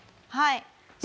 はい。